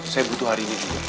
saya butuh hari ini juga